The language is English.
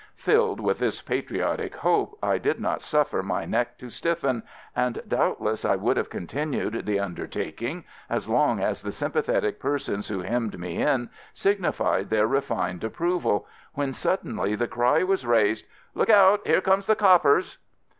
Filled with this patriotic hope I did not suffer my neck to stiffen, and doubtless I would have continued the undertaking as long as the sympathetic persons who hemmed me in signified their refined approval, when suddenly the cry was raised, "Look out, here comes the coppers!"